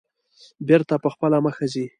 بېرته په خپله مخه ځي.